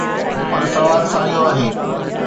پر سوال ساڳيو آهي.